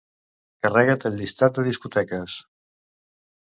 Carrega't el llistat de discoteques.